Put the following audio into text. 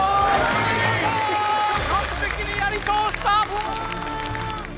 完璧にやりとおした！